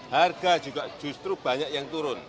harga juga justru banyak yang turun